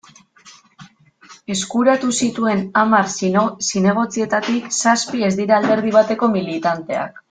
Eskuratu zituen hamar zinegotzietatik, zazpi ez dira alderdi bateko militanteak.